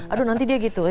aduh nanti dia gitu